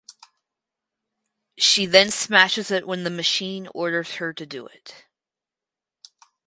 She then smashes it when the Machine orders her to do it.